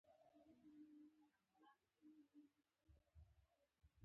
ناروغه مېرمنه اميدواره وه او ولادت ته راغلې وه.